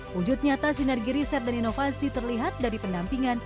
wujud nyata sinergi riset dan inovasi terlihat dari pendampingan